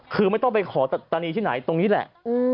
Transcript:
คือไม่ต้องไปขอปัตตานีที่ไหนตรงนี้แหละ